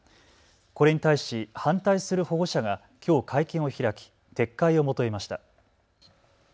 これに対し反対する保護者がきょう会見を開き撤回を求めました。